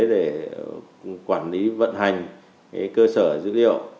để quản lý vận hành cơ sở dữ liệu